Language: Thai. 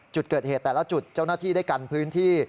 จุดเกิดเหตุแต่ละจุดเจ้าหน้าที่ได้กันพื้นที่